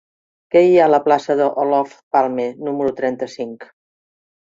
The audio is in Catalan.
Què hi ha a la plaça d'Olof Palme número trenta-cinc?